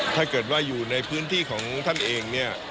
ถ้าเกิดว่าอยู่ในพื้นที่ของท่านเองเนี่ย